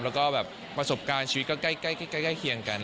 แล้วก็แบบประสบการณ์ชีวิตก็ใกล้เคียงกัน